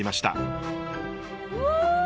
うわ！